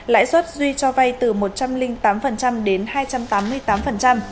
lãi suất duy cho vay từ một trăm linh tám đến hai trăm tám mươi tám